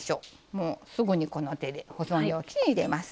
もうすぐにこの手で保存容器に入れます。